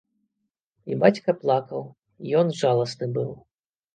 І бацька плакаў, ён жаласны быў.